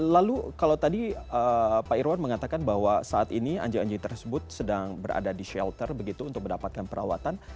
lalu kalau tadi pak irwan mengatakan bahwa saat ini anjing anjing tersebut sedang berada di shelter begitu untuk mendapatkan perawatan